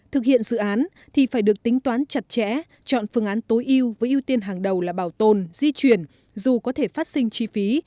thực hiện dự án thì phải được tính toán chặt chẽ chọn phương án tối ưu với ưu tiên hàng đầu là bảo tồn di chuyển dù có thể phát sinh chi phí